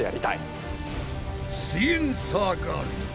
すイエんサーガールズ！